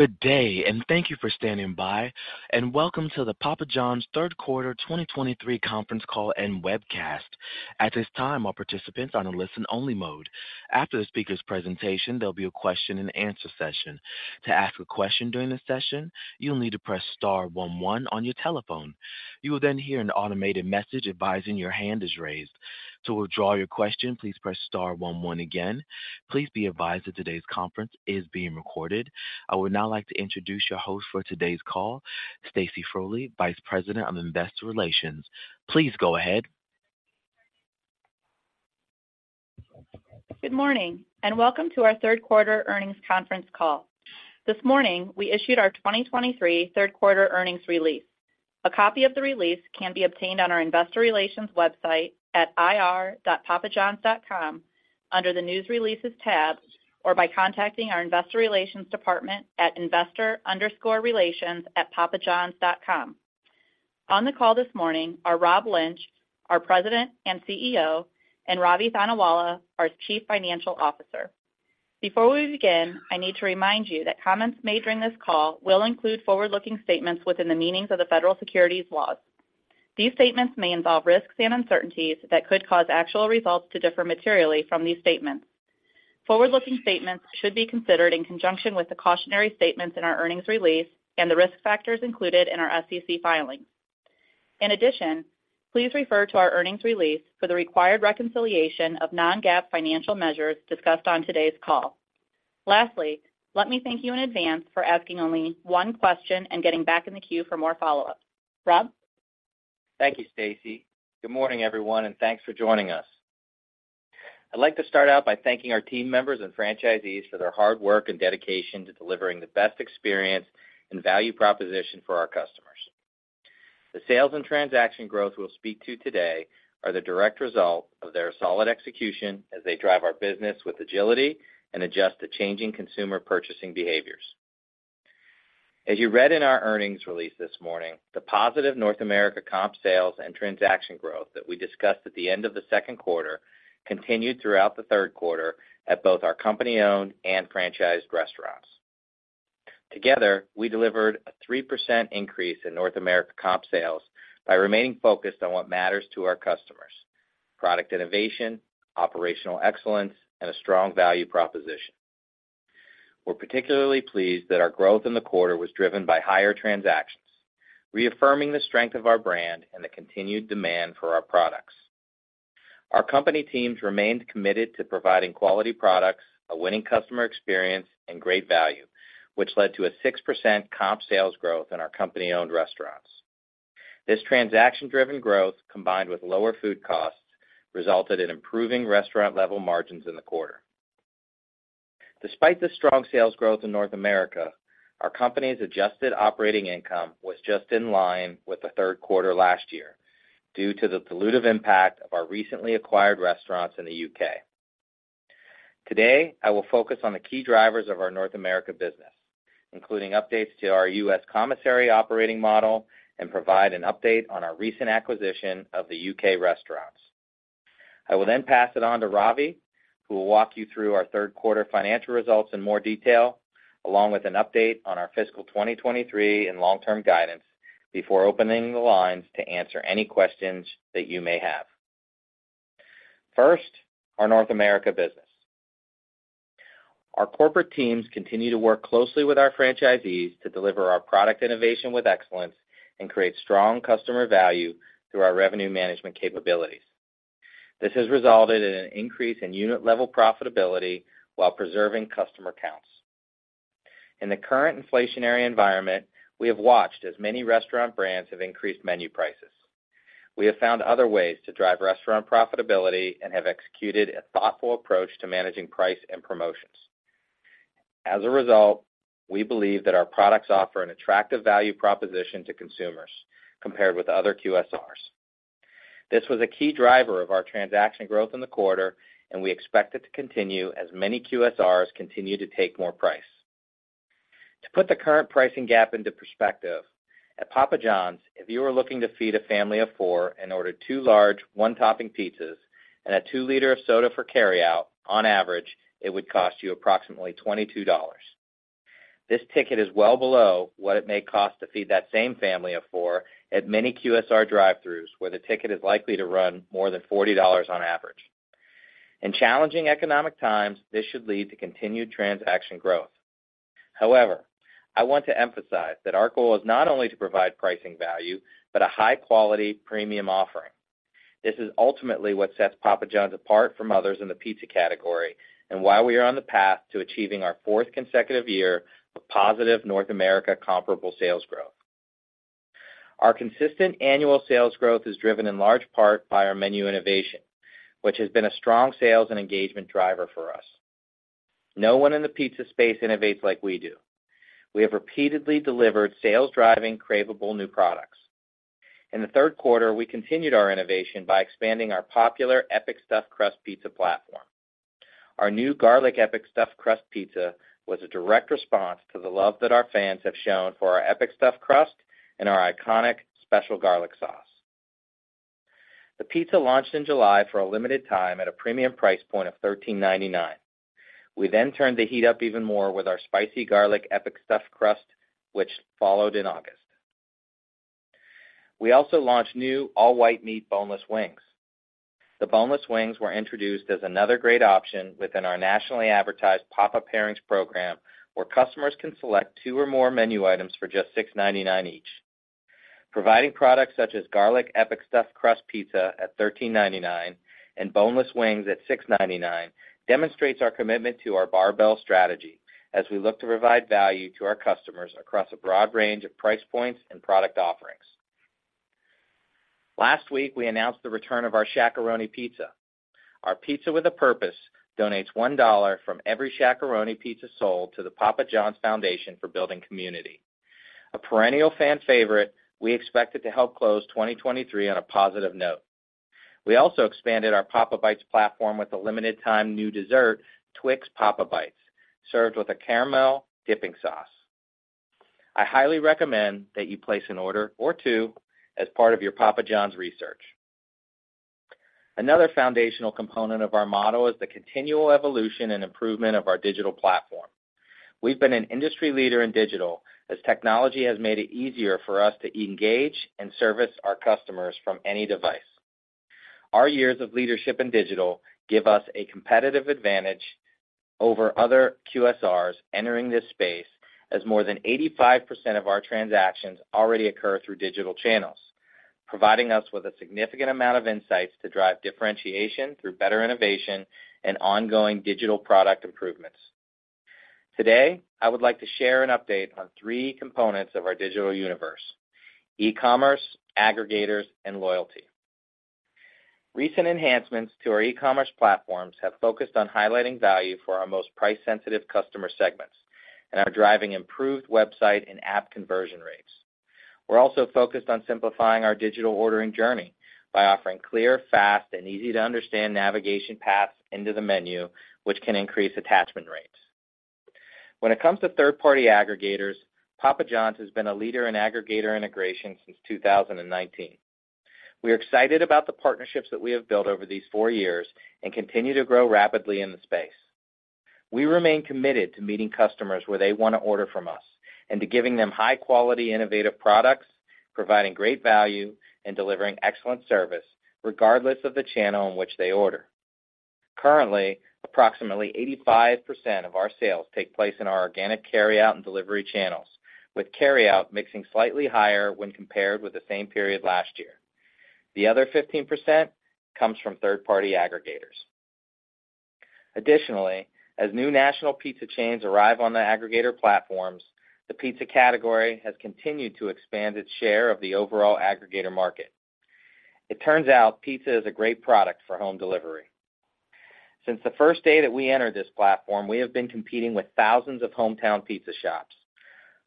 Good day, and thank you for standing by, and welcome to the Papa John's third quarter 2023 conference call and webcast. At this time, all participants are on a listen-only mode. After the speaker's presentation, there'll be a question and answer session. To ask a question during the session, you'll need to press star one one on your telephone. You will then hear an automated message advising your hand is raised. To withdraw your question, please press star one one again. Please be advised that today's conference is being recorded. I would now like to introduce your host for today's call, Stacy Frole, Vice President of Investor Relations. Please go ahead. Good morning, and welcome to our third quarter earnings conference call. This morning, we issued our 2023 third quarter earnings release. A copy of the release can be obtained on our investor relations website at ir.papajohns.com, under the News Releases tab, or by contacting our investor relations department at investor_relations@papajohns.com. On the call this morning are Rob Lynch, our President and CEO, and Ravi Thanawala, our Chief Financial Officer. Before we begin, I need to remind you that comments made during this call will include forward-looking statements within the meanings of the federal securities laws. These statements may involve risks and uncertainties that could cause actual results to differ materially from these statements. Forward-looking statements should be considered in conjunction with the cautionary statements in our earnings release and the risk factors included in our SEC filings. In addition, please refer to our earnings release for the required reconciliation of non-GAAP financial measures discussed on today's call. Lastly, let me thank you in advance for asking only one question and getting back in the queue for more follow-ups. Rob? Thank you, Stacy. Good morning, everyone, and thanks for joining us. I'd like to start out by thanking our team members and franchisees for their hard work and dedication to delivering the best experience and value proposition for our customers. The sales and transaction growth we'll speak to today are the direct result of their solid execution as they drive our business with agility and adjust to changing consumer purchasing behaviors. As you read in our earnings release this morning, the positive North America comp sales and transaction growth that we discussed at the end of the second quarter continued throughout the third quarter at both our company-owned and franchised restaurants. Together, we delivered a 3% increase in North America comp sales by remaining focused on what matters to our customers: product innovation, operational excellence, and a strong value proposition. We're particularly pleased that our growth in the quarter was driven by higher transactions, reaffirming the strength of our brand and the continued demand for our products. Our company teams remained committed to providing quality products, a winning customer experience, and great value, which led to a 6% comp sales growth in our company-owned restaurants. This transaction-driven growth, combined with lower food costs, resulted in improving restaurant-level margins in the quarter. Despite the strong sales growth in North America, our company's Adjusted Operating Income was just in line with the third quarter last year, due to the dilutive impact of our recently acquired restaurants in the UK. Today, I will focus on the key drivers of our North America business, including updates to our US commissary operating model, and provide an update on our recent acquisition of the UK restaurants. I will then pass it on to Ravi, who will walk you through our third quarter financial results in more detail, along with an update on our fiscal 2023 and long-term guidance, before opening the lines to answer any questions that you may have. First, our North America business. Our corporate teams continue to work closely with our franchisees to deliver our product innovation with excellence and create strong customer value through our revenue management capabilities. This has resulted in an increase in unit-level profitability while preserving customer counts. In the current inflationary environment, we have watched as many restaurant brands have increased menu prices. We have found other ways to drive restaurant profitability and have executed a thoughtful approach to managing price and promotions. As a result, we believe that our products offer an attractive value proposition to consumers compared with other QSRs. This was a key driver of our transaction growth in the quarter, and we expect it to continue as many QSRs continue to take more price. To put the current pricing gap into perspective, at Papa John's, if you were looking to feed a family of four and ordered two large, one-topping pizzas and a two-liter of soda for carryout, on average, it would cost you approximately $22. This ticket is well below what it may cost to feed that same family of four at many QSR drive-thrus, where the ticket is likely to run more than $40 on average. In challenging economic times, this should lead to continued transaction growth. However, I want to emphasize that our goal is not only to provide pricing value, but a high-quality premium offering. This is ultimately what sets Papa John's apart from others in the pizza category and why we are on the path to achieving our fourth consecutive year of positive North America comparable sales growth. Our consistent annual sales growth is driven in large part by our menu innovation, which has been a strong sales and engagement driver for us. No one in the pizza space innovates like we do. We have repeatedly delivered sales-driving, cravable new products. In the third quarter, we continued our innovation by expanding our popular Epic Stuffed Crust pizza platform. Our new Garlic Epic Stuffed Crust pizza was a direct response to the love that our fans have shown for our Epic Stuffed Crust and our iconic Special Garlic Sauce. The pizza launched in July for a limited time at a premium price point of $13.99. We then turned the heat up even more with our Spicy Garlic Epic Stuffed Crust, which followed in August. We also launched new all-white meat boneless wings. The boneless wings were introduced as another great option within our nationally advertised Papa Pairings program, where customers can select two or more menu items for just $6.99 each. Providing products such as Garlic Epic Stuffed Crust pizza at $13.99 and boneless wings at $6.99, demonstrates our commitment to our barbell strategy as we look to provide value to our customers across a broad range of price points and product offerings. Last week, we announced the return of our Shaq-a-Roni. Our pizza with a purpose donates $1 from every Shaq-a-Roni sold to the Papa John's Foundation for Building Community. A perennial fan favorite, we expect it to help close 2023 on a positive note. We also expanded our Papa Bites platform with a limited time new dessert, Twix Papa Bites, served with a caramel dipping sauce. I highly recommend that you place an order or two as part of your Papa John's research. Another foundational component of our model is the continual evolution and improvement of our digital platform. We've been an industry leader in digital, as technology has made it easier for us to engage and service our customers from any device. Our years of leadership in digital give us a competitive advantage over other QSRs entering this space, as more than 85% of our transactions already occur through digital channels, providing us with a significant amount of insights to drive differentiation through better innovation and ongoing digital product improvements. Today, I would like to share an update on three components of our digital universe: e-commerce, aggregators, and loyalty. Recent enhancements to our e-commerce platforms have focused on highlighting value for our most price-sensitive customer segments and are driving improved website and app conversion rates. We're also focused on simplifying our digital ordering journey by offering clear, fast, and easy-to-understand navigation paths into the menu, which can increase attachment rates. When it comes to third-party aggregators, Papa John's has been a leader in aggregator integration since 2019. We are excited about the partnerships that we have built over these four years and continue to grow rapidly in the space. We remain committed to meeting customers where they want to order from us, and to giving them high-quality, innovative products, providing great value and delivering excellent service, regardless of the channel in which they order. Currently, approximately 85% of our sales take place in our organic carryout and delivery channels, with carryout mixing slightly higher when compared with the same period last year. The other 15% comes from third-party aggregators. Additionally, as new national pizza chains arrive on the aggregator platforms, the pizza category has continued to expand its share of the overall aggregator market. It turns out pizza is a great product for home delivery. Since the first day that we entered this platform, we have been competing with thousands of hometown pizza shops.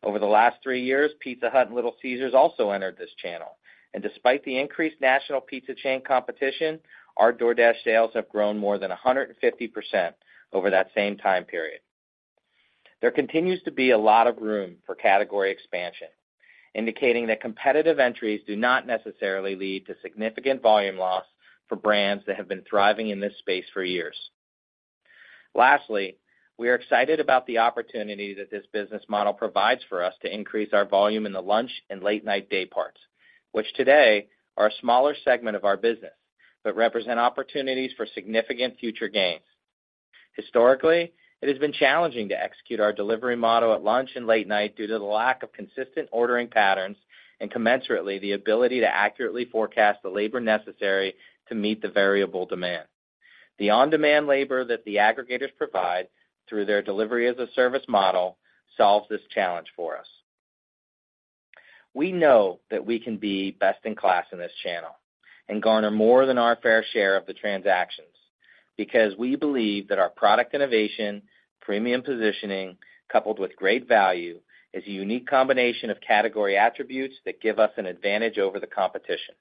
Over the last three years, Pizza Hut and Little Caesars also entered this channel, and despite the increased national pizza chain competition, our DoorDash sales have grown more than 150% over that same time period. There continues to be a lot of room for category expansion, indicating that competitive entries do not necessarily lead to significant volume loss for brands that have been thriving in this space for years. Lastly, we are excited about the opportunity that this business model provides for us to increase our volume in the lunch and late-night dayparts, which today are a smaller segment of our business, but represent opportunities for significant future gains. Historically, it has been challenging to execute our delivery model at lunch and late night due to the lack of consistent ordering patterns and commensurately, the ability to accurately forecast the labor necessary to meet the variable demand. The on-demand labor that the aggregators provide through their Delivery-as-a-Service model solves this challenge for us. We know that we can be best in class in this channel and garner more than our fair share of the transactions, because we believe that our product innovation, premium positioning, coupled with great value, is a unique combination of category attributes that give us an advantage over the competition.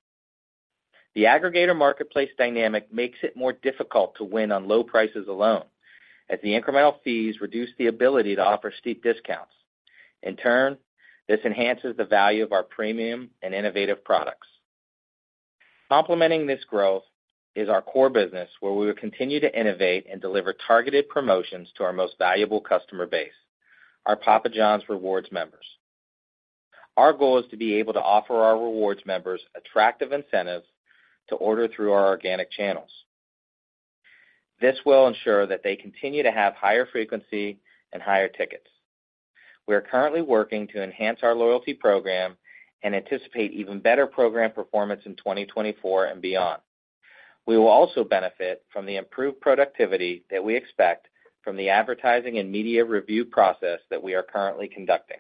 The aggregator marketplace dynamic makes it more difficult to win on low prices alone, as the incremental fees reduce the ability to offer steep discounts. In turn, this enhances the value of our premium and innovative products. Complementing this growth is our core business, where we will continue to innovate and deliver targeted promotions to our most valuable customer base, our Papa John's Rewards members. Our goal is to be able to offer our rewards members attractive incentives to order through our organic channels. This will ensure that they continue to have higher frequency and higher tickets. We are currently working to enhance our loyalty program and anticipate even better program performance in 2024 and beyond. We will also benefit from the improved productivity that we expect from the advertising and media review process that we are currently conducting.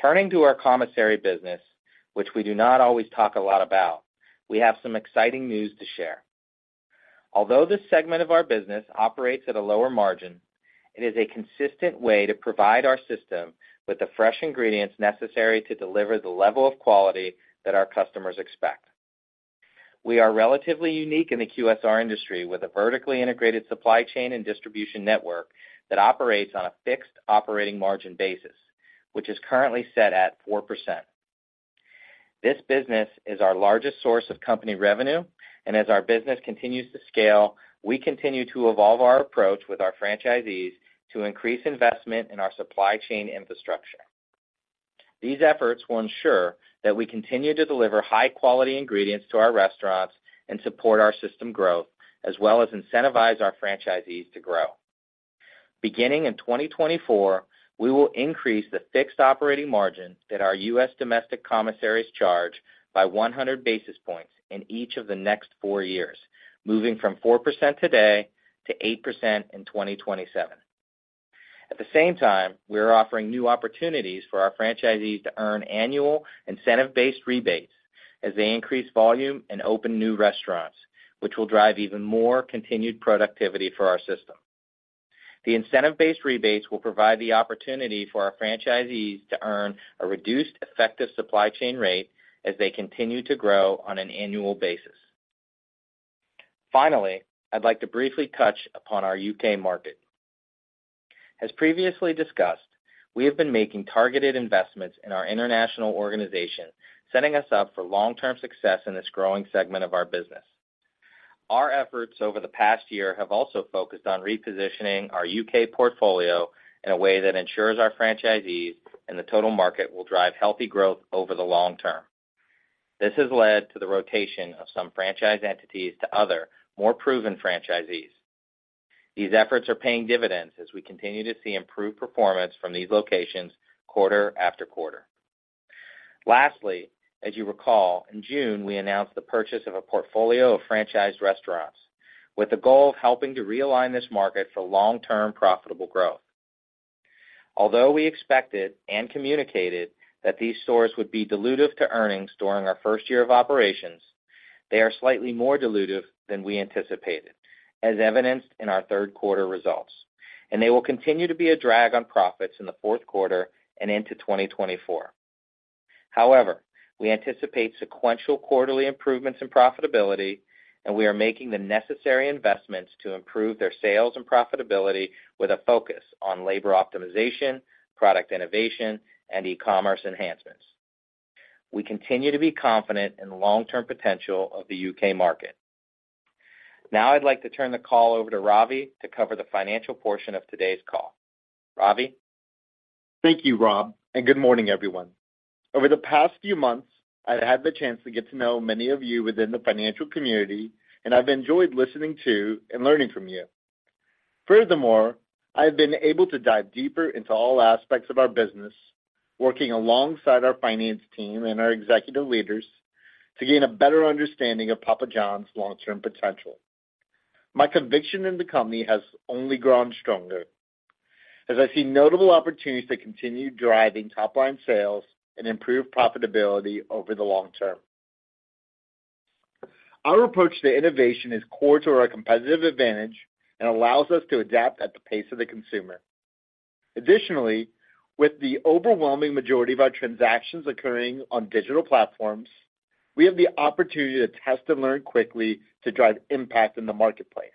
Turning to our commissary business, which we do not always talk a lot about, we have some exciting news to share. Although this segment of our business operates at a lower margin, it is a consistent way to provide our system with the fresh ingredients necessary to deliver the level of quality that our customers expect. We are relatively unique in the QSR industry, with a vertically integrated supply chain and distribution network that operates on a fixed operating margin basis, which is currently set at 4%. This business is our largest source of company revenue, and as our business continues to scale, we continue to evolve our approach with our franchisees to increase investment in our supply chain infrastructure. These efforts will ensure that we continue to deliver high-quality ingredients to our restaurants and support our system growth, as well as incentivize our franchisees to grow. Beginning in 2024, we will increase the fixed operating margin that our U.S. domestic commissaries charge by 100 basis points in each of the next four years, moving from 4% today to 8% in 2027. At the same time, we are offering new opportunities for our franchisees to earn annual incentive-based rebates as they increase volume and open new restaurants, which will drive even more continued productivity for our system. The incentive-based rebates will provide the opportunity for our franchisees to earn a reduced effective supply chain rate as they continue to grow on an annual basis. Finally, I'd like to briefly touch upon our U.K. market. As previously discussed, we have been making targeted investments in our international organization, setting us up for long-term success in this growing segment of our business. Our efforts over the past year have also focused on repositioning our U.K. portfolio in a way that ensures our franchisees and the total market will drive healthy growth over the long term. This has led to the rotation of some franchise entities to other, more proven franchisees. These efforts are paying dividends as we continue to see improved performance from these locations quarter-after-quarter. Lastly, as you recall, in June, we announced the purchase of a portfolio of franchised restaurants with the goal of helping to realign this market for long-term, profitable growth. Although we expected and communicated that these stores would be dilutive to earnings during our first year of operations, they are slightly more dilutive than we anticipated, as evidenced in our third quarter results, and they will continue to be a drag on profits in the fourth quarter and into 2024. However, we anticipate sequential quarterly improvements in profitability, and we are making the necessary investments to improve their sales and profitability with a focus on labor optimization, product innovation, and e-commerce enhancements. We continue to be confident in the long-term potential of the U.K. market. Now I'd like to turn the call over to Ravi to cover the financial portion of today's call. Ravi? Thank you, Rob, and good morning, everyone. Over the past few months, I've had the chance to get to know many of you within the financial community, and I've enjoyed listening to and learning from you. Furthermore, I have been able to dive deeper into all aspects of our business, working alongside our finance team and our executive leaders to gain a better understanding of Papa John's long-term potential. My conviction in the company has only grown stronger as I see notable opportunities to continue driving top-line sales and improve profitability over the long term. Our approach to innovation is core to our competitive advantage and allows us to adapt at the pace of the consumer. Additionally, with the overwhelming majority of our transactions occurring on digital platforms, we have the opportunity to test and learn quickly to drive impact in the marketplace.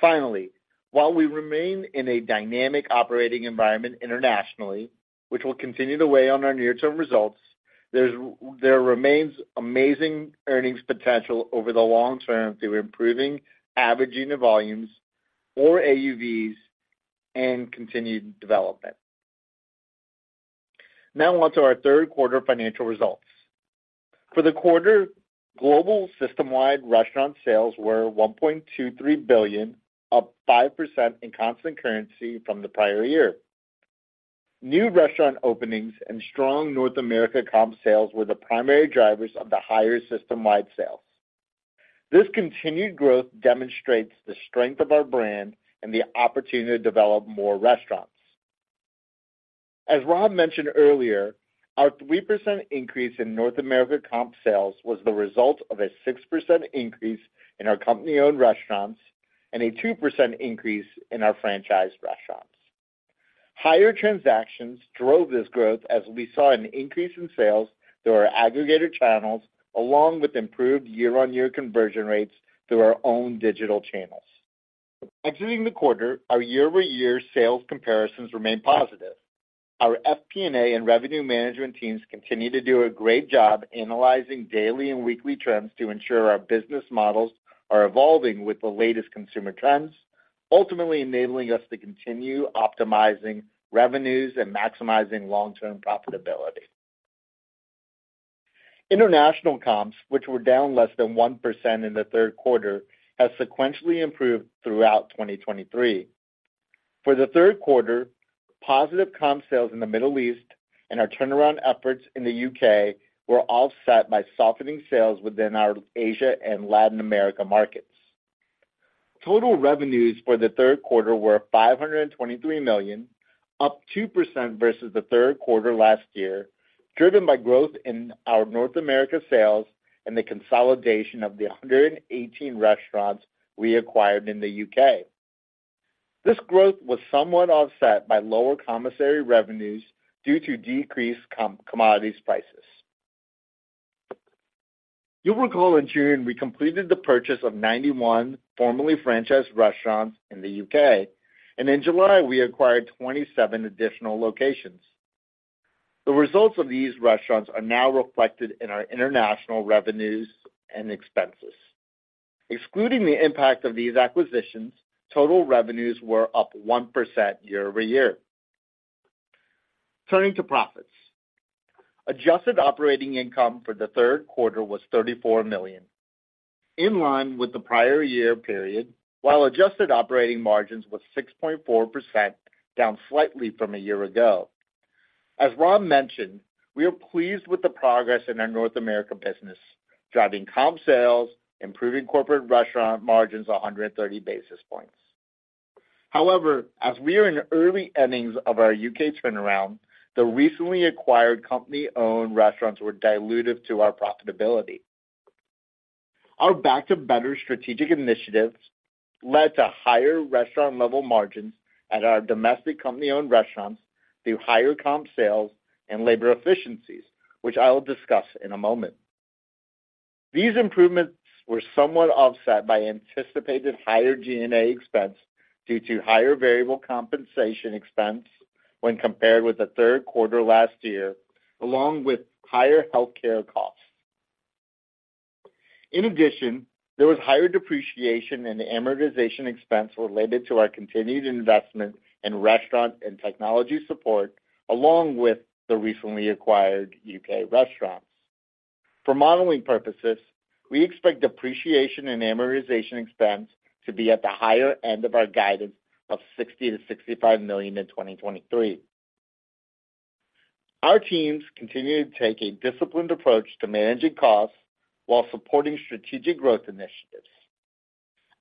Finally, while we remain in a dynamic operating environment internationally, which will continue to weigh on our near-term results, there remains amazing earnings potential over the long term through improving average unit volumes, or AUVs, and continued development. Now on to our third quarter financial results. For the quarter, global system-wide restaurant sales were $1.23 billion, up 5% in constant currency from the prior year. New restaurant openings and strong North America comp sales were the primary drivers of the higher system-wide sales. This continued growth demonstrates the strength of our brand and the opportunity to develop more restaurants. As Rob mentioned earlier, our 3% increase in North America comp sales was the result of a 6% increase in our company-owned restaurants and a 2% increase in our franchise restaurants. Higher transactions drove this growth as we saw an increase in sales through our aggregator channels, along with improved year-over-year conversion rates through our own digital channels. Exiting the quarter, our year-over-year sales comparisons remain positive. Our FP&A and revenue management teams continue to do a great job analyzing daily and weekly trends to ensure our business models are evolving with the latest consumer trends, ultimately enabling us to continue optimizing revenues and maximizing long-term profitability. International comps, which were down less than 1% in the third quarter, have sequentially improved throughout 2023. For the third quarter, positive comp sales in the Middle East and our turnaround efforts in the U.K. were offset by softening sales within our Asia and Latin America markets. Total revenues for the third quarter were $523 million, up 2% versus the third quarter last year, driven by growth in our North America sales and the consolidation of the 118 restaurants we acquired in the U.K. This growth was somewhat offset by lower commissary revenues due to decreased commodities prices. You'll recall in June, we completed the purchase of 91 formerly franchised restaurants in the U.K., and in July, we acquired 27 additional locations. The results of these restaurants are now reflected in our international revenues and expenses. Excluding the impact of these acquisitions, total revenues were up 1% year-over-year. Turning to profits. Adjusted operating income for the third quarter was $34 million, in line with the prior year period, while adjusted operating margins was 6.4%, down slightly from a year ago. As Rob mentioned, we are pleased with the progress in our North America business, driving comp sales, improving corporate restaurant margins 130 basis points. However, as we are in early innings of our U.K. turnaround, the recently acquired company-owned restaurants were dilutive to our profitability. Our Back to Better strategic initiatives led to higher restaurant level margins at our domestic company-owned restaurants through higher comp sales and labor efficiencies, which I will discuss in a moment. These improvements were somewhat offset by anticipated higher G&A expense due to higher variable compensation expense when compared with the third quarter last year, along with higher healthcare costs. In addition, there was higher depreciation and amortization expense related to our continued investment in restaurant and technology support, along with the recently acquired U.K. restaurants. For modeling purposes, we expect depreciation and amortization expense to be at the higher end of our guidance of $60 million-$65 million in 2023. Our teams continue to take a disciplined approach to managing costs while supporting strategic growth initiatives.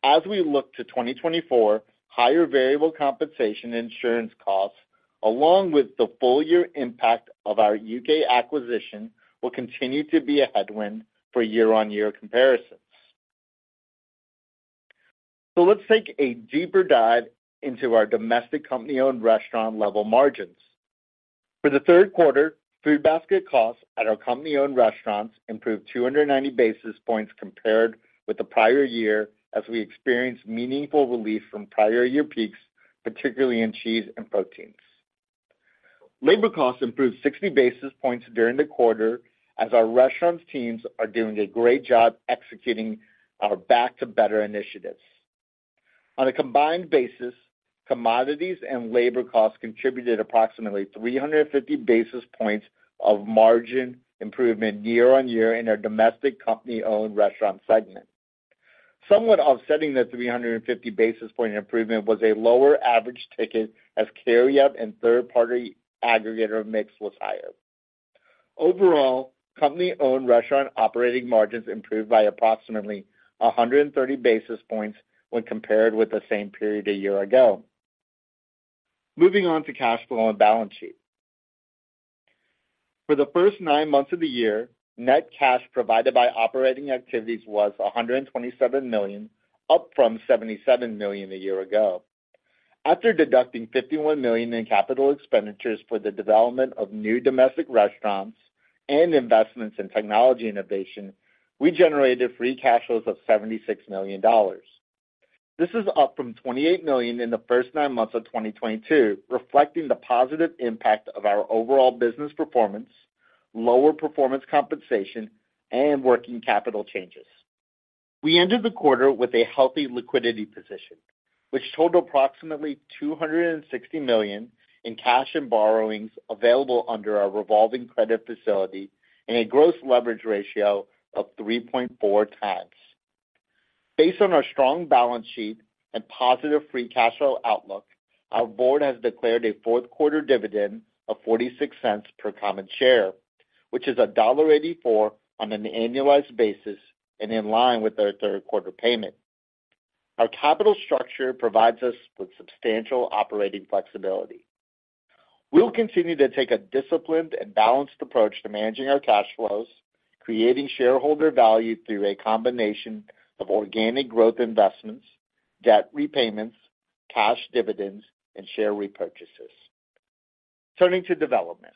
As we look to 2024, higher variable compensation insurance costs, along with the full year impact of our UK acquisition, will continue to be a headwind for year-on-year comparisons. So let's take a deeper dive into our domestic company-owned restaurant level margins. For the third quarter, food basket costs at our company-owned restaurants improved 290 basis points compared with the prior year, as we experienced meaningful relief from prior year peaks, particularly in cheese and proteins. Labor costs improved 60 basis points during the quarter as our restaurant teams are doing a great job executing our Back to Better initiatives. On a combined basis, commodities and labor costs contributed approximately 350 basis points of margin improvement year-on-year in our domestic company-owned restaurant segment. Somewhat offsetting the 350 basis point improvement was a lower average ticket as carryout and third-party aggregator mix was higher. Overall, company-owned restaurant operating margins improved by approximately 130 basis points when compared with the same period a year ago. Moving on to cash flow and balance sheet. For the first nine months of the year, net cash provided by operating activities was $127 million, up from $77 million a year ago. After deducting $51 million in capital expenditures for the development of new domestic restaurants and investments in technology innovation, we generated free cash flows of $76 million. This is up from $28 million in the first nine months of 2022, reflecting the positive impact of our overall business performance, lower performance compensation, and working capital changes. We ended the quarter with a healthy liquidity position, which totaled approximately $260 million in cash and borrowings available under our revolving credit facility and a gross leverage ratio of 3.4 times. Based on our strong balance sheet and positive free cash flow outlook, our board has declared a fourth quarter dividend of $0.46 per common share, which is $1.84 on an annualized basis and in line with our third quarter payment. Our capital structure provides us with substantial operating flexibility. We'll continue to take a disciplined and balanced approach to managing our cash flows, creating shareholder value through a combination of organic growth investments, debt repayments, cash dividends, and share repurchases. Turning to development.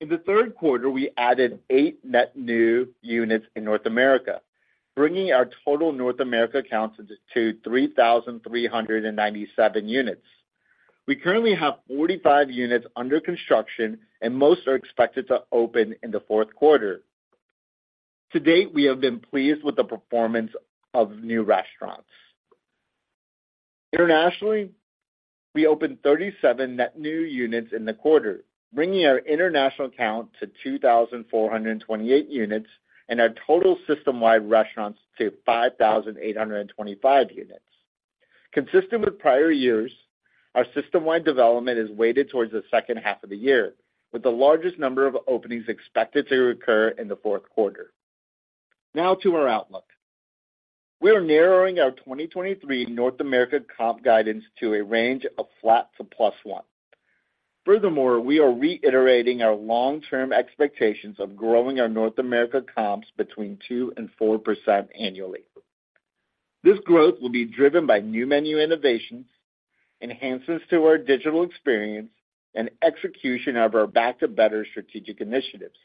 In the third quarter, we added 8 net new units in North America, bringing our total North America count to 3,397 units. We currently have 45 units under construction, and most are expected to open in the fourth quarter. To date, we have been pleased with the performance of new restaurants. Internationally, we opened 37 net new units in the quarter, bringing our international count to 2,428 units and our total system-wide restaurants to 5,825 units. Consistent with prior years, our system-wide development is weighted towards the second half of the year, with the largest number of openings expected to occur in the fourth quarter. Now to our outlook. We are narrowing our 2023 North America comp guidance to a range of flat to +1%. Furthermore, we are reiterating our long-term expectations of growing our North America comps between 2%-4% annually. This growth will be driven by new menu innovations, enhancements to our digital experience, and execution of our Back to Better strategic initiatives.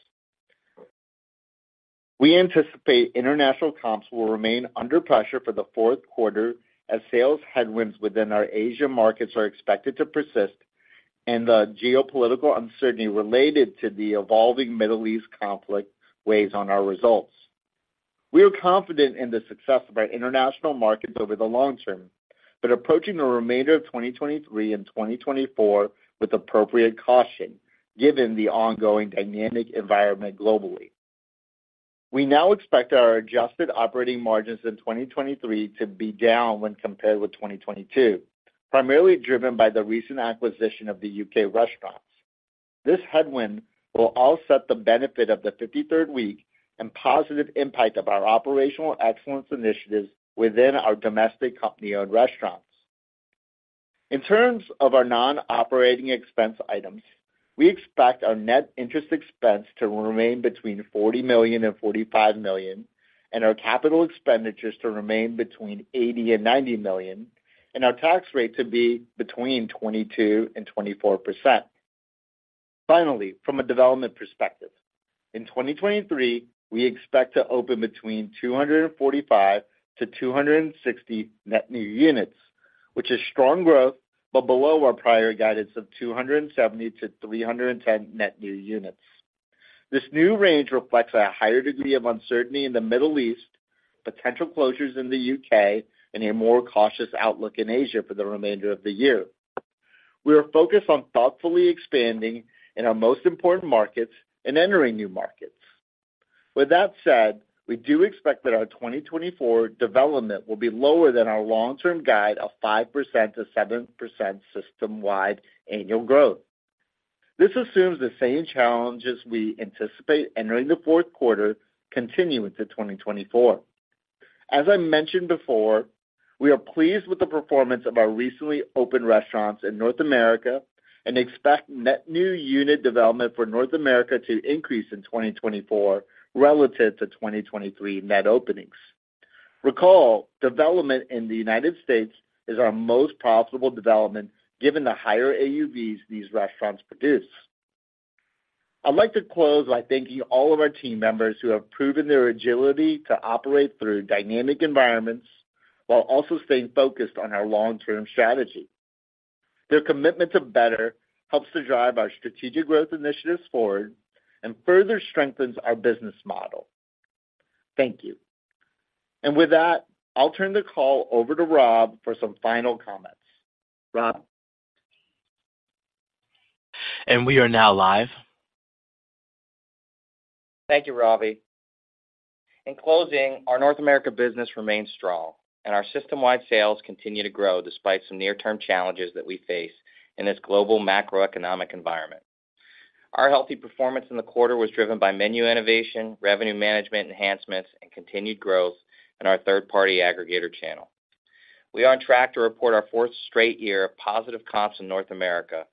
We anticipate international comps will remain under pressure for the fourth quarter, as sales headwinds within our Asia markets are expected to persist, and the geopolitical uncertainty related to the evolving Middle East conflict weighs on our results. We are confident in the success of our international markets over the long term, but approaching the remainder of 2023 and 2024 with appropriate caution, given the ongoing dynamic environment globally. We now expect our adjusted operating margins in 2023 to be down when compared with 2022, primarily driven by the recent acquisition of the UK restaurants. This headwind will offset the benefit of the 53rd week and positive impact of our operational excellence initiatives within our domestic company-owned restaurants. In terms of our non-operating expense items, we expect our net interest expense to remain between $40 million-$45 million, and our capital expenditures to remain between $80 million-$90 million, and our tax rate to be between 22%-24%. Finally, from a development perspective, in 2023, we expect to open between 245-260 net new units, which is strong growth, but below our prior guidance of 270-310 net new units. This new range reflects a higher degree of uncertainty in the Middle East, potential closures in the UK, and a more cautious outlook in Asia for the remainder of the year. We are focused on thoughtfully expanding in our most important markets and entering new markets. With that said, we do expect that our 2024 development will be lower than our long-term guide of 5%-7% system-wide annual growth. This assumes the same challenges we anticipate entering the fourth quarter continuing to 2024. As I mentioned before, we are pleased with the performance of our recently opened restaurants in North America and expect net new unit development for North America to increase in 2024 relative to 2023 net openings. Recall, development in the United States is our most profitable development, given the higher AUVs these restaurants produce. I'd like to close by thanking all of our team members who have proven their agility to operate through dynamic environments while also staying focused on our long-term strategy. Their commitment to better helps to drive our strategic growth initiatives forward and further strengthens our business model. Thank you. With that, I'll turn the call over to Rob for some final comments. Rob? We are now live. Thank you, Ravi. In closing, our North America business remains strong, and our system-wide sales continue to grow despite some near-term challenges that we face in this global macroeconomic environment. Our healthy performance in the quarter was driven by menu innovation, revenue management enhancements, and continued growth in our third-party aggregator channel. We are on track to report our fourth straight year of positive comps in North America,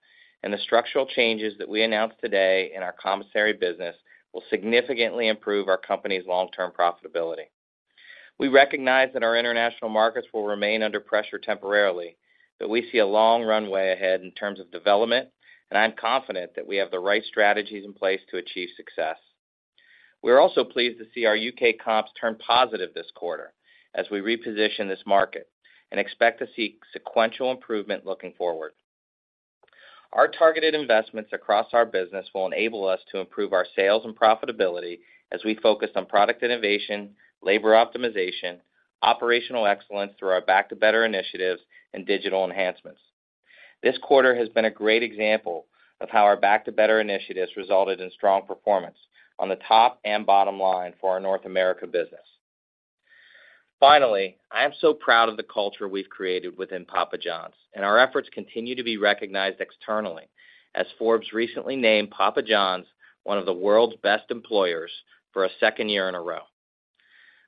and the structural changes that we announced today in our commissary business will significantly improve our company's long-term profitability. We recognize that our international markets will remain under pressure temporarily, but we see a long runway ahead in terms of development, and I'm confident that we have the right strategies in place to achieve success. We are also pleased to see our U.K. comps turn positive this quarter as we reposition this market and expect to seek sequential improvement looking forward. Our targeted investments across our business will enable us to improve our sales and profitability as we focus on product innovation, labor optimization, operational excellence through our Back to Better initiatives, and digital enhancements. This quarter has been a great example of how our Back to Better initiatives resulted in strong performance on the top and bottom line for our North America business. Finally, I am so proud of the culture we've created within Papa John's, and our efforts continue to be recognized externally, as Forbes recently named Papa John's one of the World's Best Employers for a second year in a row.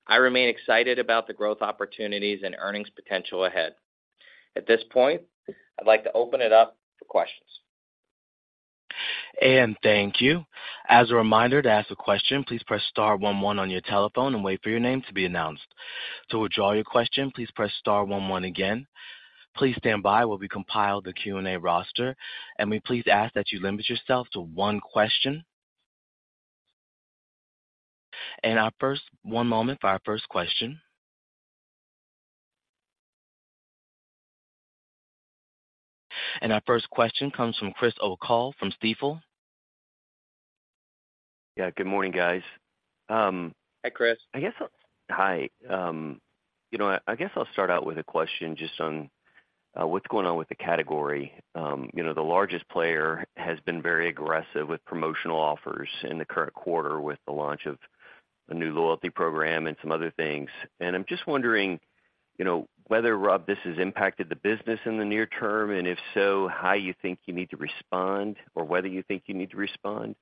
I remain excited about the growth opportunities and earnings potential ahead. At this point, I'd like to open it up for questions. Thank you. As a reminder, to ask a question, please press star one one on your telephone and wait for your name to be announced. To withdraw your question, please press star one one again. Please stand by while we compile the Q&A roster, and we please ask that you limit yourself to one question. One moment for our first question. Our first question comes from Chris O’Cull from Stifel. Yeah, good morning, guys. Hi, Chris. Hi. You know, I guess I'll start out with a question just on what's going on with the category. You know, the largest player has been very aggressive with promotional offers in the current quarter with the launch of a new loyalty program and some other things. I'm just wondering, you know, whether, Rob, this has impacted the business in the near term, and if so, how you think you need to respond or whether you think you need to respond?...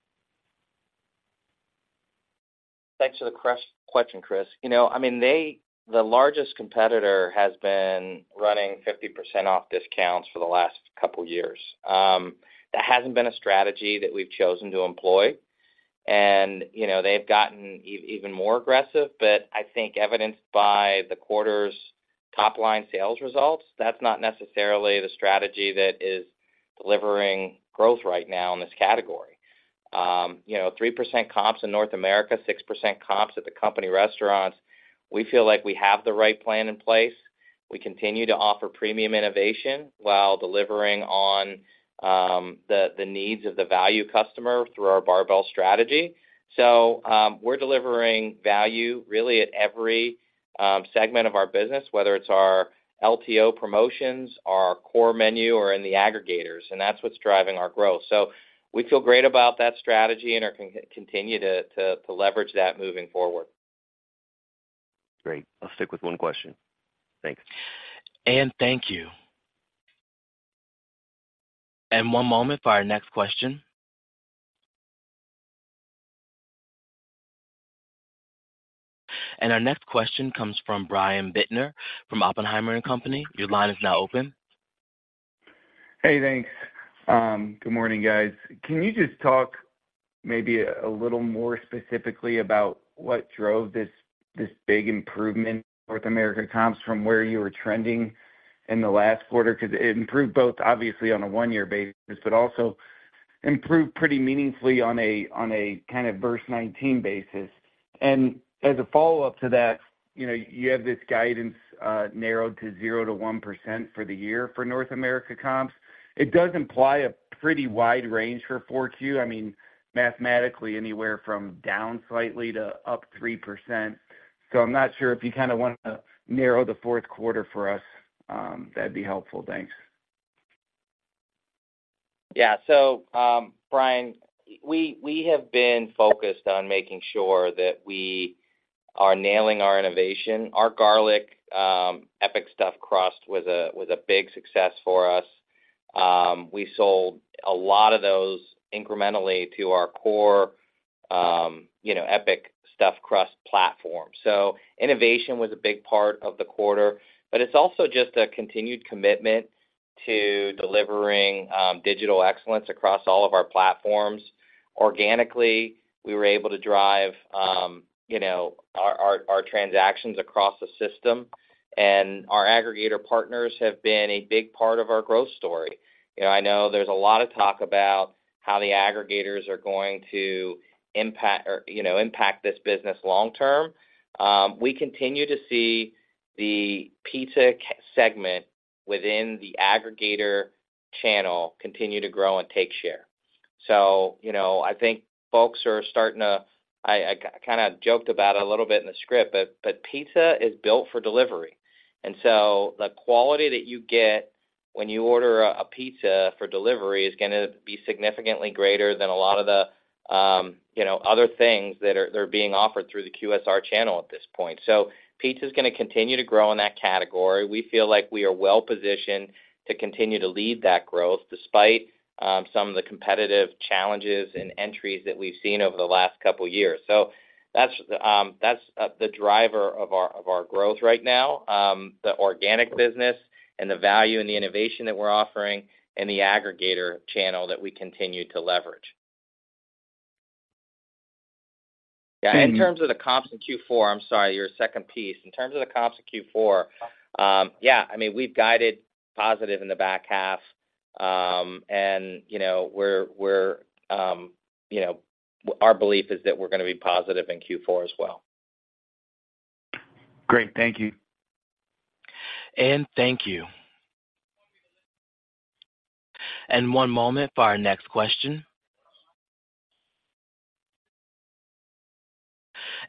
Thanks for the question, Chris. You know, I mean, they, the largest competitor, has been running 50% off discounts for the last couple years. That hasn't been a strategy that we've chosen to employ. You know, they've gotten even more aggressive, but I think evidenced by the quarter's top-line sales results, that's not necessarily the strategy that is delivering growth right now in this category. You know, 3% comps in North America, 6% comps at the company restaurants. We feel like we have the right plan in place. We continue to offer premium innovation while delivering on the needs of the value customer through our barbell strategy. So, we're delivering value really at every segment of our business, whether it's our LTO promotions, our core menu, or in the aggregators, and that's what's driving our growth. So we feel great about that strategy and are continuing to leverage that moving forward. Great. I'll stick with one question. Thanks. Thank you. One moment for our next question. Our next question comes from Brian Bittner from Oppenheimer & Co. Your line is now open. Hey, thanks. Good morning, guys. Can you just talk maybe a little more specifically about what drove this, this big improvement in North America comps from where you were trending in the last quarter? Because it improved both, obviously, on a one-year basis, but also improved pretty meaningfully on a, on a kind of versus 2019 basis. And as a follow-up to that, you know, you have this guidance narrowed to 0%-1% for the year for North America comps. It does imply a pretty wide range for Q4. I mean, mathematically, anywhere from down slightly to up 3%. So I'm not sure if you kind of want to narrow the fourth quarter for us, that'd be helpful. Thanks. Yeah. So, Brian, we have been focused on making sure that we are nailing our innovation. Our Garlic Epic Stuffed Crust was a big success for us. We sold a lot of those incrementally to our core, you know, Epic Stuffed Crust platform. So innovation was a big part of the quarter, but it's also just a continued commitment to delivering digital excellence across all of our platforms. Organically, we were able to drive, you know, our transactions across the system, and our aggregator partners have been a big part of our growth story. You know, I know there's a lot of talk about how the aggregators are going to impact or, you know, impact this business long term. We continue to see the pizza segment within the aggregator channel continue to grow and take share. So, you know, I think folks are starting to. I kind of joked about it a little bit in the script, but pizza is built for delivery, and so the quality that you get when you order a pizza for delivery is gonna be significantly greater than a lot of the, you know, other things that are, that are being offered through the QSR channel at this point. So pizza is gonna continue to grow in that category. We feel like we are well positioned to continue to lead that growth, despite some of the competitive challenges and entries that we've seen over the last couple of years. So that's, that's the driver of our, of our growth right now, the organic business and the value and the innovation that we're offering and the aggregator channel that we continue to leverage. Yeah, in terms of the comps in Q4, I'm sorry, your second piece. In terms of the comps in Q4, yeah, I mean, we've guided positive in the back half. And, you know, we're, you know, our belief is that we're gonna be positive in Q4 as well. Great. Thank you. Thank you. One moment for our next question.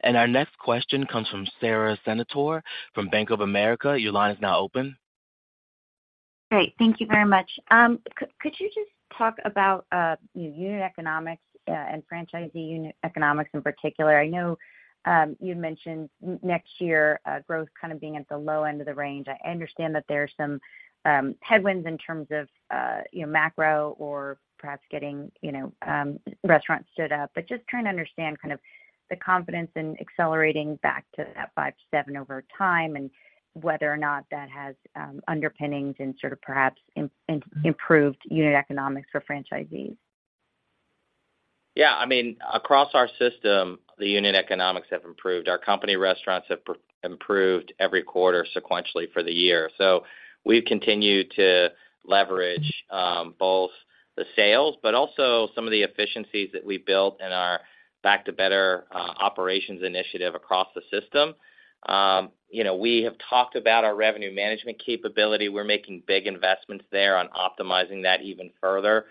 Our next question comes from Sara Senatore from Bank of America. Your line is now open. Great. Thank you very much. Could you just talk about unit economics and franchisee unit economics in particular? I know you mentioned next year growth kind of being at the low end of the range. I understand that there are some headwinds in terms of you know macro or perhaps getting you know restaurants stood up, but just trying to understand kind of the confidence in accelerating back to that 5-7 over time, and whether or not that has underpinnings and sort of perhaps improved unit economics for franchisees. Yeah, I mean, across our system, the unit economics have improved. Our company restaurants have improved every quarter sequentially for the year. So we've continued to leverage both the sales, but also some of the efficiencies that we built in our Back to Better operations initiative across the system. You know, we have talked about our revenue management capability. We're making big investments there on optimizing that even further,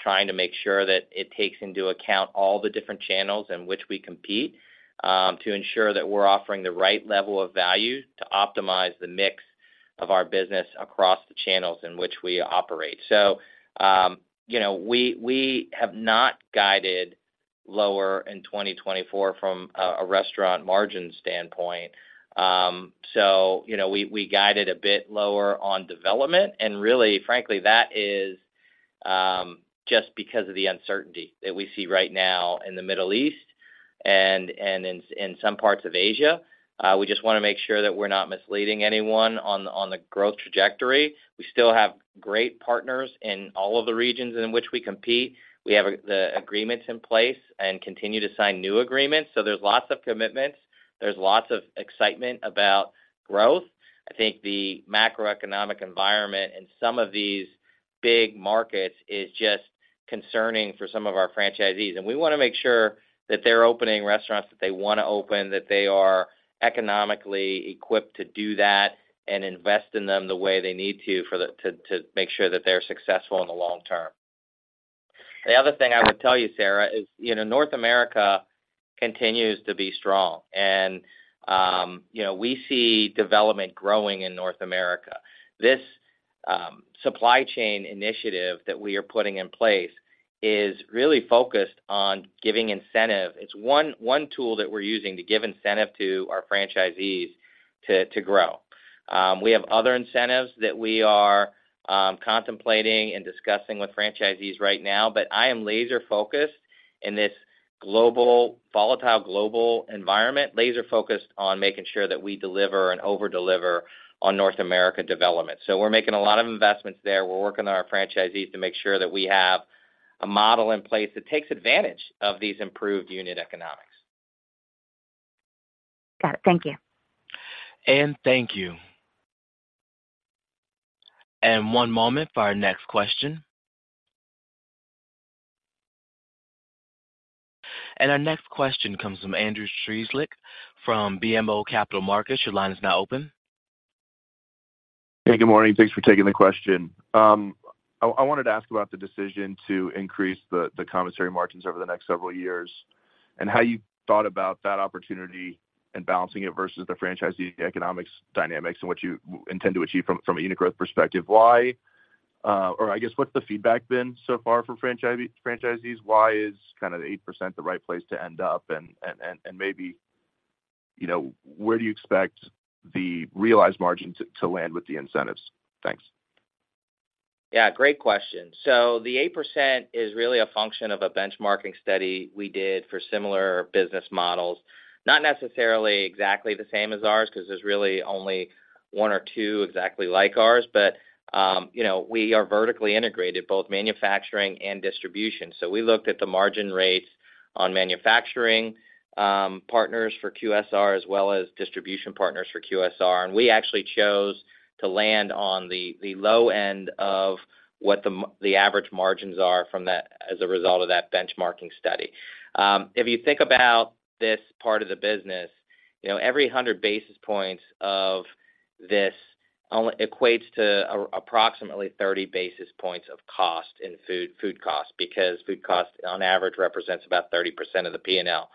trying to make sure that it takes into account all the different channels in which we compete to ensure that we're offering the right level of value to optimize the mix of our business across the channels in which we operate. So, you know, we have not guided lower in 2024 from a restaurant margin standpoint. So, you know, we guided a bit lower on development, and really, frankly, that is just because of the uncertainty that we see right now in the Middle East and in some parts of Asia. We just want to make sure that we're not misleading anyone on the growth trajectory. We still have great partners in all of the regions in which we compete. We have the agreements in place and continue to sign new agreements. So there's lots of commitments, there's lots of excitement about growth. I think the macroeconomic environment in some of these big markets is just concerning for some of our franchisees. We want to make sure that they're opening restaurants that they want to open, that they are economically equipped to do that and invest in them the way they need to to make sure that they're successful in the long term. The other thing I would tell you, Sara, is, you know, North America continues to be strong, and, you know, we see development growing in North America. This supply chain initiative that we are putting in place is really focused on giving incentive. It's one tool that we're using to give incentive to our franchisees to grow. We have other incentives that we are contemplating and discussing with franchisees right now, but I am laser focused in this global volatile global environment, laser focused on making sure that we deliver and over-deliver on North America development. We're making a lot of investments there. We're working on our franchisees to make sure that we have a model in place that takes advantage of these improved unit economics. Got it. Thank you. Thank you. One moment for our next question. Our next question comes from Andrew Strelzik from BMO Capital Markets. Your line is now open. Hey, good morning. Thanks for taking the question. I wanted to ask about the decision to increase the commissary margins over the next several years, and how you thought about that opportunity and balancing it versus the franchisee economics dynamics, and what you intend to achieve from a unit growth perspective. Why, or I guess, what's the feedback been so far from franchisees? Why is kind of 8% the right place to end up? And maybe, you know, where do you expect the realized margin to land with the incentives? Thanks. Yeah, great question. So the 8% is really a function of a benchmarking study we did for similar business models. Not necessarily exactly the same as ours, because there's really only one or two exactly like ours, but, you know, we are vertically integrated, both manufacturing and distribution. So we looked at the margin rates on manufacturing, partners for QSR, as well as distribution partners for QSR. And we actually chose to land on the, the low end of what the average margins are from that as a result of that benchmarking study. If you think about this part of the business, you know, every 100 basis points of this only equates to approximately 30 basis points of cost in food, food cost, because food cost on average, represents about 30% of the P&L.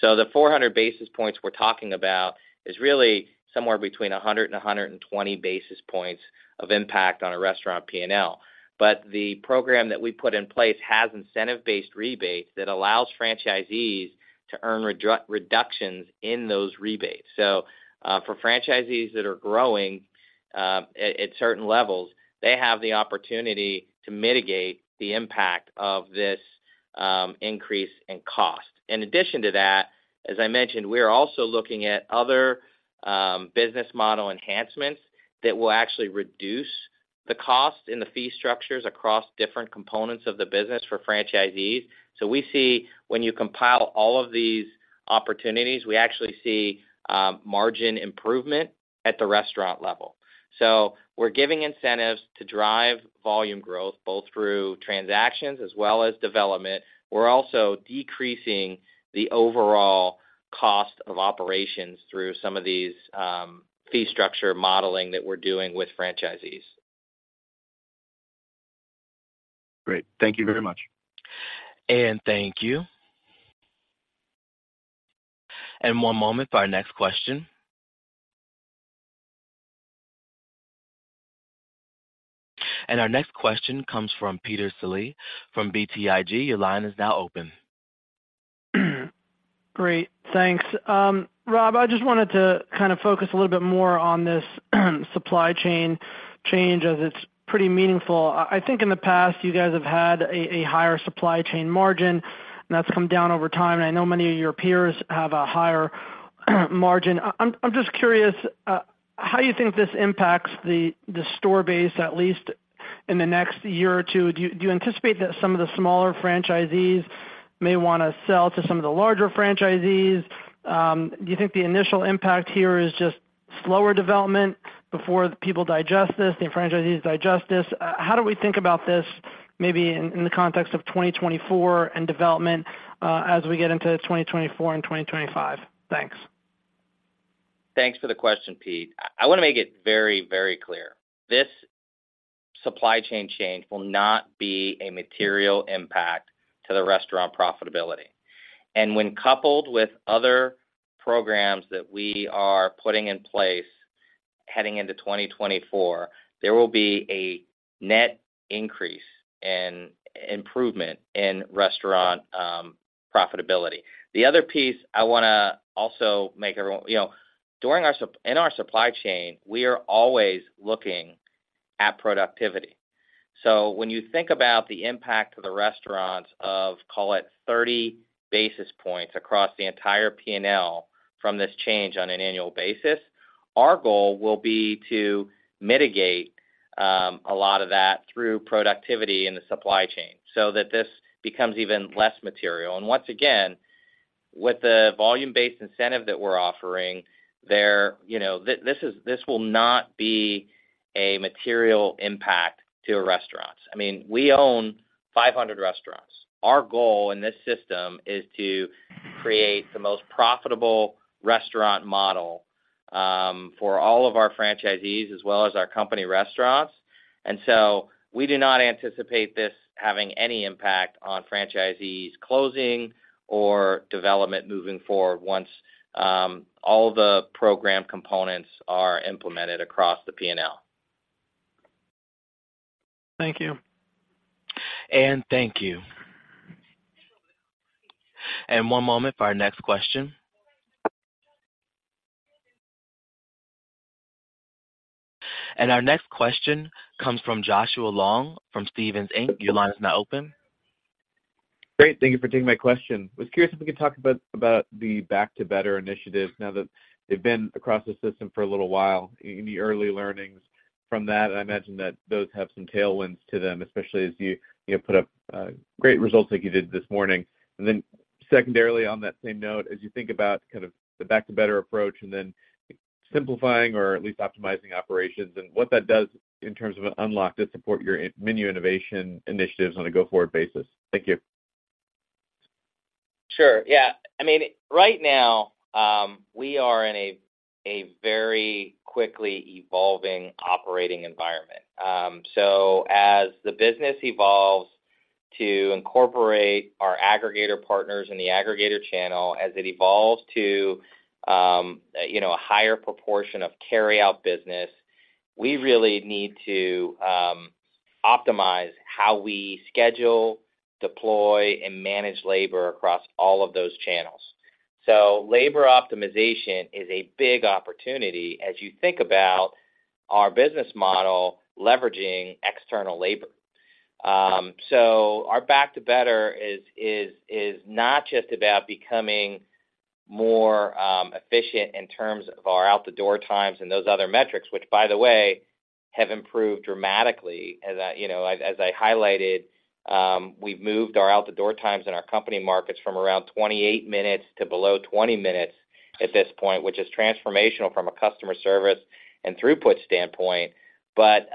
So the 400 basis points we're talking about is really somewhere between 100 and 120 basis points of impact on a restaurant P&L. But the program that we put in place has incentive-based rebates that allows franchisees to earn reductions in those rebates. So, for franchisees that are growing, at certain levels, they have the opportunity to mitigate the impact of this, increase in cost. In addition to that, as I mentioned, we are also looking at other, business model enhancements that will actually reduce the cost in the fee structures across different components of the business for franchisees. So we see when you compile all of these opportunities, we actually see, margin improvement at the restaurant level. So we're giving incentives to drive volume growth, both through transactions as well as development. We're also decreasing the overall cost of operations through some of these, fee structure modeling that we're doing with franchisees. Great. Thank you very much. Thank you. One moment for our next question. Our next question comes from Peter Saleh from BTIG. Your line is now open. Great, thanks. Rob, I just wanted to kind of focus a little bit more on this supply chain change, as it's pretty meaningful. I think in the past, you guys have had a higher supply chain margin, and that's come down over time, and I know many of your peers have a higher margin. I'm just curious how you think this impacts the store base, at least in the next year or two. Do you anticipate that some of the smaller franchisees may want to sell to some of the larger franchisees? Do you think the initial impact here is just slower development before people digest this, the franchisees digest this? How do we think about this maybe in the context of 2024 and development, as we get into 2024 and 2025? Thanks. Thanks for the question, Pete. I want to make it very, very clear: this supply chain change will not be a material impact to the restaurant profitability. When coupled with other programs that we are putting in place, heading into 2024, there will be a net increase in improvement in restaurant profitability. The other piece I want to also make everyone you know, during our supply chain, we are always looking at productivity. So when you think about the impact to the restaurants of, call it, 30 basis points across the entire P&L from this change on an annual basis, our goal will be to mitigate a lot of that through productivity in the supply chain, so that this becomes even less material. Once again, with the volume-based incentive that we're offering there, you know, this is, this will not be a material impact to our restaurants. I mean, we own 500 restaurants. Our goal in this system is to create the most profitable restaurant model for all of our franchisees as well as our company restaurants. And so we do not anticipate this having any impact on franchisees closing or development moving forward once all the program components are implemented across the PNL. Thank you. Thank you. One moment for our next question. Our next question comes from Joshua Long from Stephens, Inc. Your line is now open. Great, thank you for taking my question. I was curious if we could talk about the Back to Better initiative now that they've been across the system for a little while, any early learnings from that? I imagine that those have some tailwinds to them, especially as you, you know, put up great results like you did this morning. And then secondarily, on that same note, as you think about kind of the Back to Better approach and then simplifying or at least optimizing operations and what that does in terms of an unlock to support your in-menu innovation initiatives on a go-forward basis. Thank you. Sure. Yeah. I mean, right now, we are in a very quickly evolving operating environment. So as the business evolves to incorporate our aggregator partners in the aggregator channel, as it evolves to, you know, a higher proportion of carryout business, we really need to optimize how we schedule, deploy, and manage labor across all of those channels. So labor optimization is a big opportunity as you think about our business model leveraging external labor. So our Back to Better is not just about becoming more efficient in terms of our out-the-door times and those other metrics, which, by the way, have improved dramatically. As I, you know, as I highlighted, we've moved our out-the-door times in our company markets from around 28 minutes to below 20 minutes at this point, which is transformational from a customer service and throughput standpoint. But,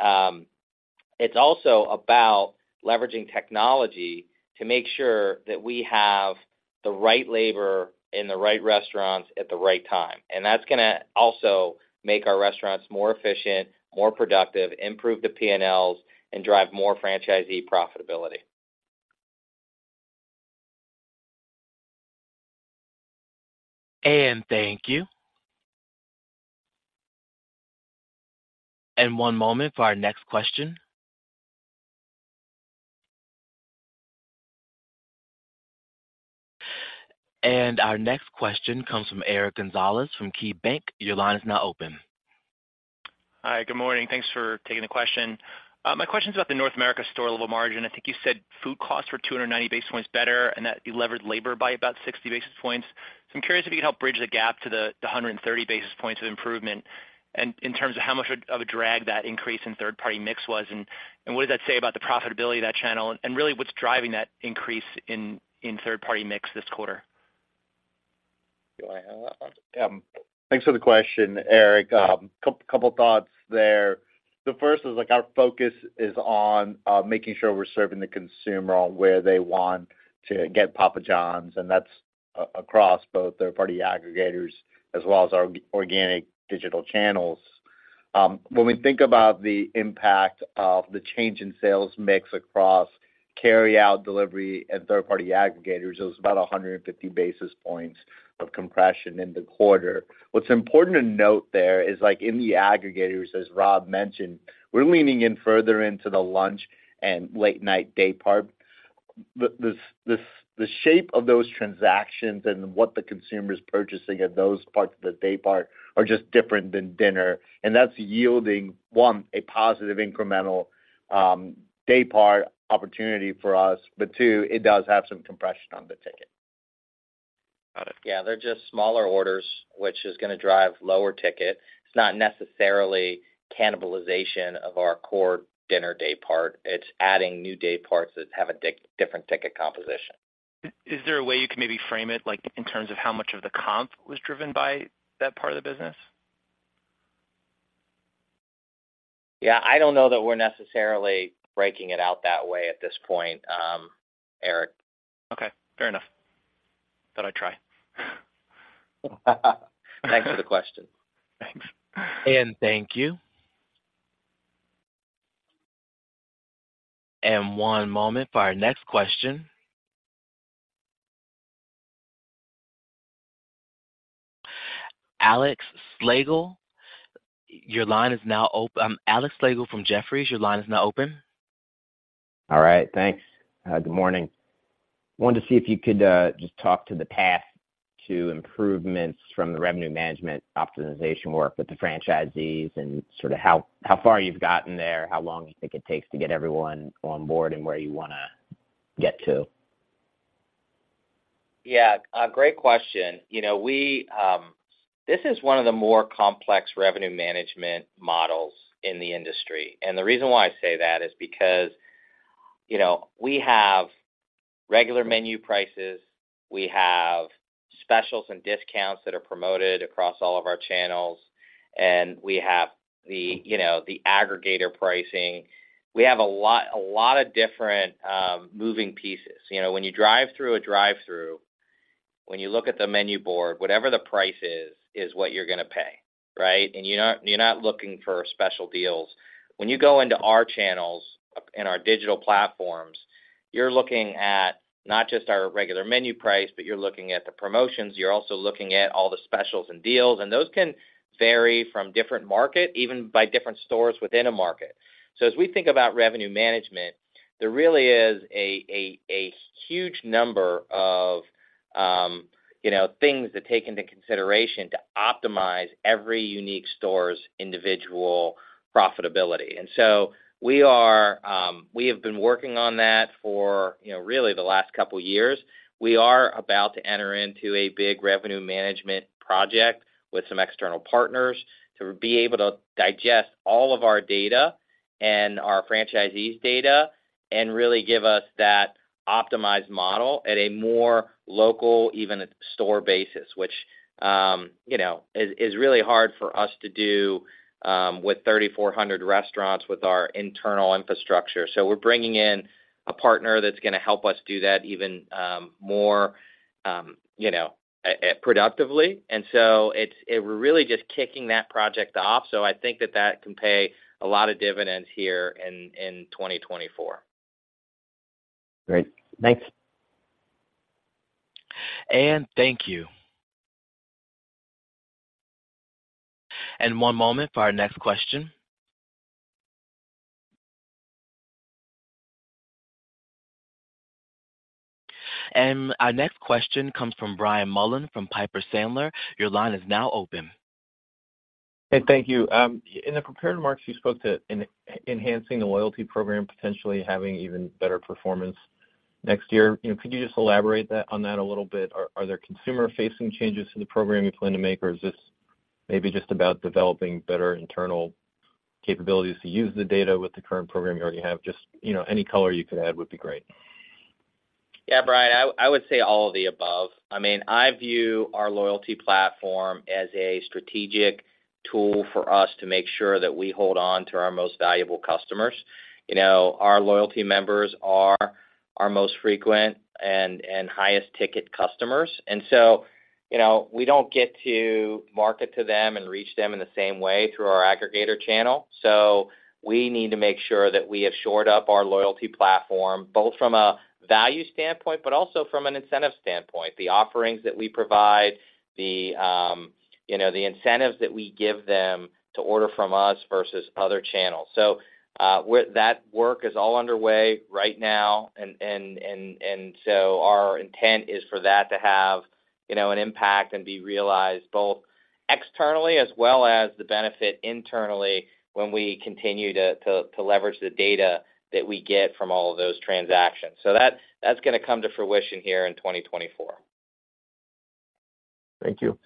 it's also about leveraging technology to make sure that we have the right labor in the right restaurants at the right time. And that's going to also make our restaurants more efficient, more productive, improve the P&Ls, and drive more franchisee profitability. Thank you. One moment for our next question. Our next question comes from Eric Gonzalez from KeyBanc. Your line is now open. Hi, good morning. Thanks for taking the question. My question is about the North America store-level margin. I think you said food costs were 290 basis points better and that you levered labor by about 60 basis points. So I'm curious if you could help bridge the gap to the 130 basis points of improvement, and in terms of how much of a drag that increase in third-party mix was, and what does that say about the profitability of that channel, and really, what's driving that increase in third-party mix this quarter? Thanks for the question, Eric. Couple thoughts there. The first is, like, our focus is on making sure we're serving the consumer on where they want to get Papa John's, and that's across both third-party aggregators as well as our organic digital channels. When we think about the impact of the change in sales mix across carryout, delivery, and third-party aggregators, it was about 150 basis points of compression in the quarter. What's important to note there is, like, in the aggregators, as Rob mentioned, we're leaning in further into the lunch and late night daypart. The shape of those transactions and what the consumer is purchasing at those parts of the daypart are just different than dinner, and that's yielding, one, a positive incremental daypart opportunity for us. But two, it does have some compression on the ticket. Got it. Yeah, they're just smaller orders, which is going to drive lower ticket. It's not necessarily cannibalization of our core dinner daypart. It's adding new dayparts that have a different ticket composition. Is there a way you can maybe frame it, like, in terms of how much of the comp was driven by that part of the business? Yeah, I don't know that we're necessarily breaking it out that way at this point, Eric. Okay, fair enough. Thought I'd try. Thanks for the question. Thanks. Thank you. One moment for our next question... Alex Slagle, your line is now open. Alex Slagle from Jefferies, your line is now open. All right. Thanks. Good morning. Wanted to see if you could, just talk to the path to improvements from the revenue management optimization work with the franchisees and sort of how, how far you've gotten there, how long you think it takes to get everyone on board, and where you want to get to? Yeah, a great question. You know, this is one of the more complex revenue management models in the industry, and the reason why I say that is because, you know, we have regular menu prices, we have specials and discounts that are promoted across all of our channels, and we have the, you know, the aggregator pricing. We have a lot, a lot of different moving pieces. You know, when you drive through a drive-thru, when you look at the menu board, whatever the price is, is what you're gonna pay, right? And you're not, you're not looking for special deals. When you go into our channels and our digital platforms, you're looking at not just our regular menu price, but you're looking at the promotions. You're also looking at all the specials and deals, and those can vary from different market, even by different stores within a market. So as we think about revenue management, there really is a huge number of, you know, things to take into consideration to optimize every unique store's individual profitability. And so we are, we have been working on that for, you know, really the last couple of years. We are about to enter into a big revenue management project with some external partners to be able to digest all of our data and our franchisees' data and really give us that optimized model at a more local, even a store basis, which, you know, is really hard for us to do, with 3,400 restaurants with our internal infrastructure. So we're bringing in a partner that's gonna help us do that even more, you know, productively. And so it's we're really just kicking that project off. So I think that that can pay a lot of dividends here in 2024. Great. Thanks. Thank you. One moment for our next question. Our next question comes from Brian Mullan from Piper Sandler. Your line is now open. Hey, thank you. In the prepared remarks, you spoke to enhancing the loyalty program, potentially having even better performance next year. You know, could you just elaborate that, on that a little bit? Are there consumer-facing changes to the program you plan to make, or is this maybe just about developing better internal capabilities to use the data with the current program you already have? Just, you know, any color you could add would be great. Yeah, Brian, I would say all of the above. I mean, I view our loyalty platform as a strategic tool for us to make sure that we hold on to our most valuable customers. You know, our loyalty members are our most frequent and highest ticket customers. And so, you know, we don't get to market to them and reach them in the same way through our aggregator channel. So we need to make sure that we have shored up our loyalty platform, both from a value standpoint, but also from an incentive standpoint. The offerings that we provide, you know, the incentives that we give them to order from us versus other channels. So, with that work is all underway right now, and so our intent is for that to have, you know, an impact and be realized both externally as well as the benefit internally when we continue to leverage the data that we get from all of those transactions. So that, that's gonna come to fruition here in 2024. Thank you.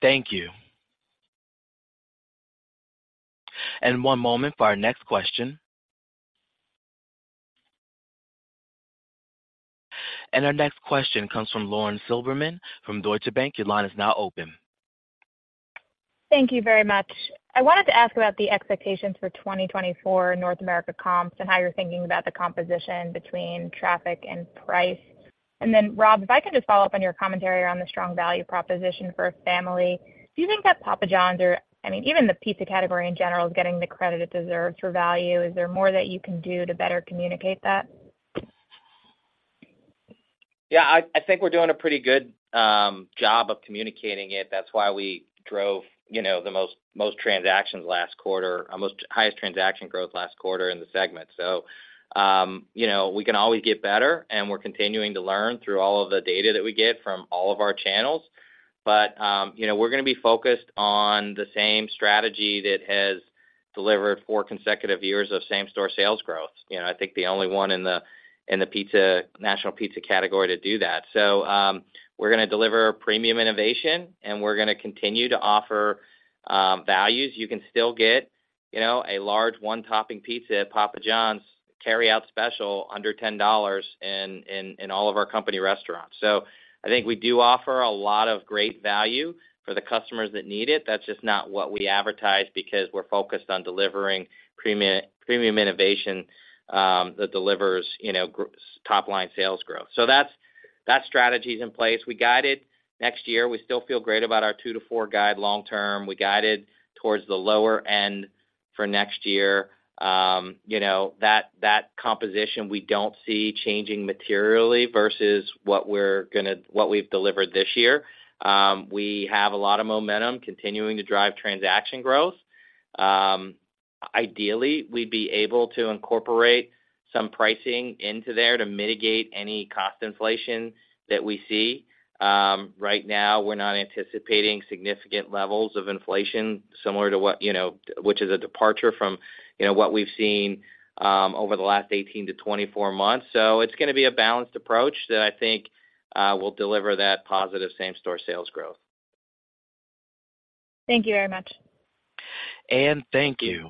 Thank you. One moment for our next question. Our next question comes from Lauren Silberman from Deutsche Bank. Your line is now open. Thank you very much. I wanted to ask about the expectations for 2024 North America comps and how you're thinking about the composition between traffic and price. And then, Rob, if I can just follow up on your commentary around the strong value proposition for a family. Do you think that Papa John's or, I mean, even the pizza category in general, is getting the credit it deserves for value? Is there more that you can do to better communicate that? Yeah, I think we're doing a pretty good job of communicating it. That's why we drove, you know, the most transactions last quarter, our most highest transaction growth last quarter in the segment. So, you know, we can always get better, and we're continuing to learn through all of the data that we get from all of our channels. But, you know, we're gonna be focused on the same strategy that has delivered four consecutive years of same-store sales growth. You know, I think the only one in the national pizza category to do that. So, we're gonna deliver premium innovation, and we're gonna continue to offer values. You can still get, you know, a large one-topping pizza at Papa John's carryout special under $10 in all of our company restaurants. So I think we do offer a lot of great value for the customers that need it. That's just not what we advertise because we're focused on delivering premium, premium innovation that delivers, you know, top-line sales growth. So that's that strategy is in place. We guided next year. We still feel great about our 2-4 guide long term. We guided towards the lower end for next year. You know, that, that composition, we don't see changing materially versus what we're gonna—what we've delivered this year. We have a lot of momentum continuing to drive transaction growth. Ideally, we'd be able to incorporate some pricing into there to mitigate any cost inflation that we see. Right now, we're not anticipating significant levels of inflation similar to what, you know, which is a departure from, you know, what we've seen over the last 18-24 months. So it's gonna be a balanced approach that I think will deliver that positive same-store sales growth. Thank you very much. Thank you.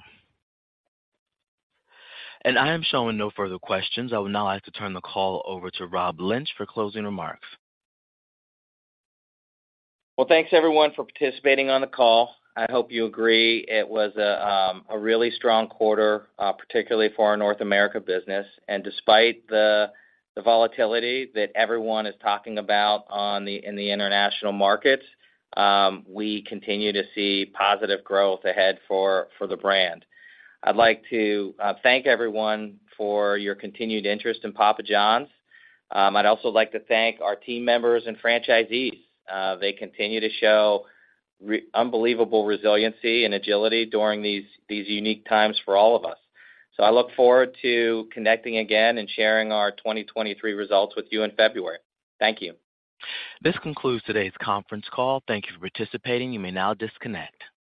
I am showing no further questions. I would now like to turn the call over to Rob Lynch for closing remarks. Well, thanks everyone for participating on the call. I hope you agree it was a really strong quarter, particularly for our North America business. And despite the volatility that everyone is talking about in the international markets, we continue to see positive growth ahead for the brand. I'd like to thank everyone for your continued interest in Papa John's. I'd also like to thank our team members and franchisees. They continue to show unbelievable resiliency and agility during these unique times for all of us. So I look forward to connecting again and sharing our 2023 results with you in February. Thank you. This concludes today's conference call. Thank you for participating. You may now disconnect.